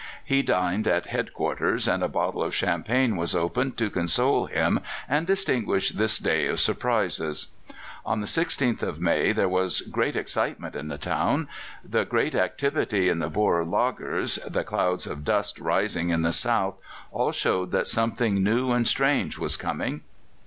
He dined at head quarters, and a bottle of champagne was opened to console him and distinguish this day of surprises. On the 16th of May there was great excitement in the town; the great activity in the Boer laagers, the clouds of dust rising in the south, all showed that something new and strange was coming.